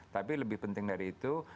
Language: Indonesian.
tapi lebih penting dari itu